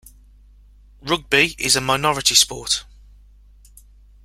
Rugby is a minority sport.